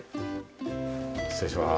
失礼します。